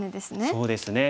そうですね。